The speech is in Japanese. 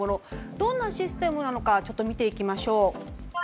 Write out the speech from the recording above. どんなシステムなのか見ていきましょう。